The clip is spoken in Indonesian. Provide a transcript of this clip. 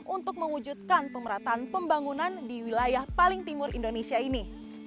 untuk mewujudkan pemerataan pembangunan di wilayah paling timur indonesia ini